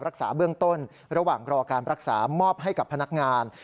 รักษาเบื้องต้นระหว่างรอการรักษามอบให้กับพนักงาน